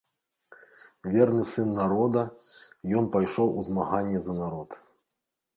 Верны сын народа, ён пайшоў у змаганне за народ.